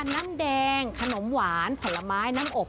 น้ำแดงขนมหวานผลไม้น้ำอบ